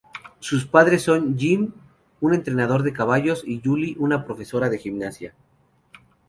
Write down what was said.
Sus padres son Jim, un entrenador de caballos, y Julie, una profesora de gimnasia.